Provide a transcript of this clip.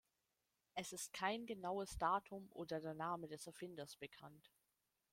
Es ist kein genaues Datum oder der Name des Erfinders bekannt.